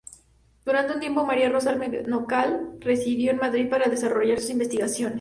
Durante un tiempo, María Rosa Menocal residió en Madrid para desarrollar sus investigaciones.